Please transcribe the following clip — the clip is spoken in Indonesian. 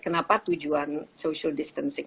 kenapa tujuan social distancing